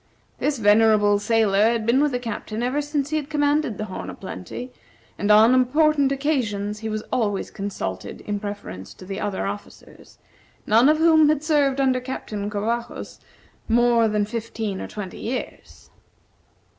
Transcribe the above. This venerable sailor had been with the Captain ever since he had commanded the "Horn o' Plenty," and on important occasions he was always consulted in preference to the other officers, none of whom had served under Captain Covajos more then fifteen or twenty years.